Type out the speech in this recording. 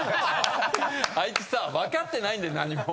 あいつさ分かってないんだよ何も。